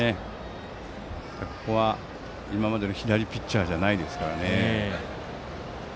ここは、今までの左ピッチャーじゃないですかね。